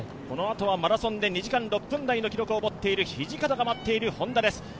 このあとはマラソンで２時間６分台の記録を持っている土方が待っているＨｏｎｄａです。